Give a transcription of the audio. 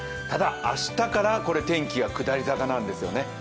ただ、明日から天気は下り坂なんですよね。